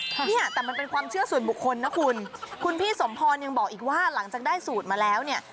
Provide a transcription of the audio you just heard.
เนี่ยแต่มันเป็นความเชื่อส่วนบุคคลนะคุณคุณพี่สมพรยังบอกอีกว่าหลังจากได้สูตรมาแล้วเนี่ย